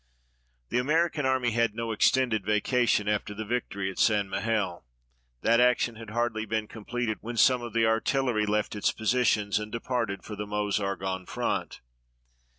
The American Army had no extended vacation after the victory at St. Mihiel. That action had hardly been completed when some of the artillery left its positions and departed for the Meuse Argonne front.